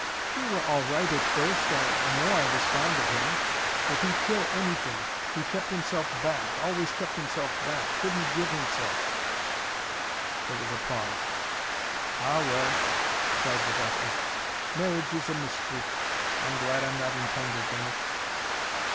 "We were all right at first. I know I was fond of him. But he'd kill anything. He kept himself back, always kept himself back, couldn't give himself " There was a pause. "Ah well," sighed the doctor. "Marriage is a mystery. I'm glad I'm not entangled in it."